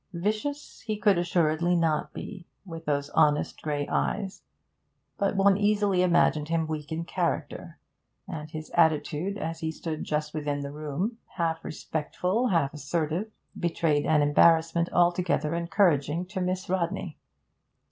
Vicious he could assuredly not be, with those honest grey eyes; but one easily imagined him weak in character, and his attitude as he stood just within the room, half respectful, half assertive, betrayed an embarrassment altogether encouraging to Miss Rodney.